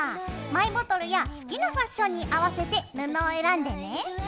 マイボトルや好きなファッションに合わせて布を選んでね。